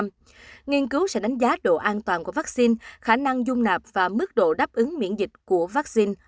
nghiên cứu sẽ đánh giá độ an toàn của vaccine khả năng dung nạp và mức độ đáp ứng miễn dịch của vaccine